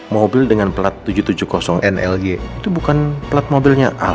mobil dengan plat tujuh ratus tujuh puluh nly itu bukan plat mobilnya a